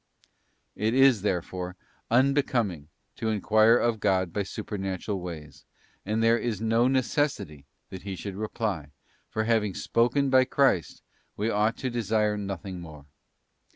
t It is, therefore, unbecoming to enquire of God by super natural ways, and there is no necessity that He should reply, for having spoken by Christ, we ought to desire nothing more.